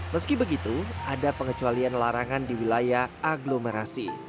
meski begitu ada pengecualian larangan di wilayah aglomerasi